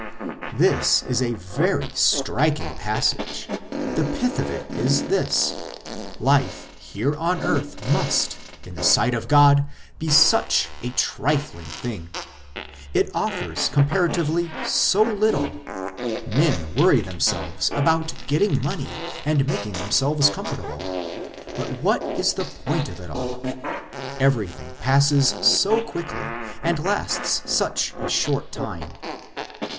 " This is a very striking passage ; the pith of it is this : life here on earth must, in the sight of God, be such a trifling thing ; 214 IMMORTALITY AND THE UNSEEN WORLD it offers comparatively so little ; men worry themselves about getting money and making themselves comfortable ; but what is the point of it all ? Everything passes so quickly and lasts such a short time.